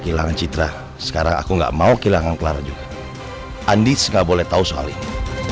kehilangan citra sekarang aku enggak mau kehilangan clara juga andis gak boleh tahu soal ini